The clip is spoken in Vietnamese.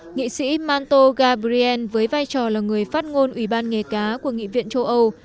nghị sĩ manto gabriel với vai trò là người phát ngôn ủy ban nghề cá của nghị viện châu âu